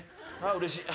あうれしい。